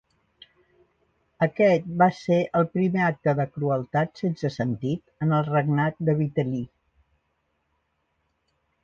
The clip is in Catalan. Aquest va ser el primer acte de crueltat sense sentit en el regnat de Vitel·li.